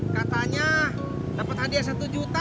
katanya dapat hadiah satu juta